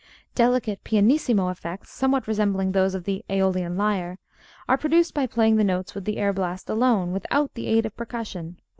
Delicate pianissimo effects, somewhat resembling those of the Eolian lyre, are produced by playing the notes with the air blast alone, without the aid of percussion.